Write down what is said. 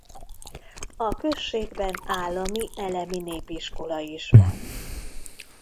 A községben állami elemi népiskola is van.